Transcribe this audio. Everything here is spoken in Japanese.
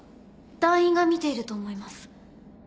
団員が見ていると思います。